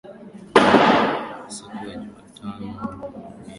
siku ya jumatano maharamia hao wa kisomali